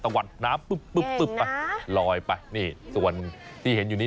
วัดน้ำปุ๊บปุ๊บไปลอยไปนี่ส่วนที่เห็นอยู่นี้